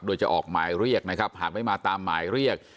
โดยจะออกหมายเรียกนะครับหากไม่มาตามหมายเรียก